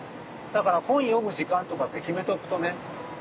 だから本読む時間とかって決めとくとね。